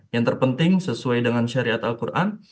yang terpenting sesuai dengan syariat al quran